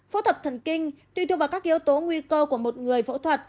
phẫu thuật thần kinh tùy thuộc vào các yếu tố nguy cơ của một người phẫu thuật